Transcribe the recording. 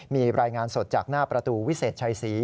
มีรายงานสดจากหน้าประตูวิเศษชัยศรี